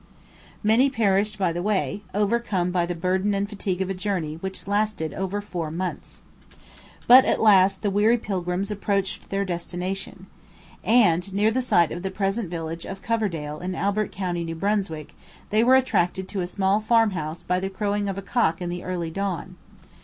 Many perished by the way, overcome by the burden and fatigue of a journey which lasted over four months. But at last the weary pilgrims approached their destination. And near the site of the present village of Coverdale in Albert county, New Brunswick, they were attracted to a small farmhouse by the crowing of a cock in the early dawn.